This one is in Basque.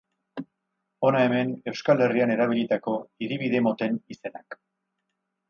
Hona hemen Euskal Herrian erabilitako hiribide moten izenak.